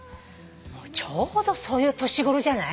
もうちょうどそういう年頃じゃない？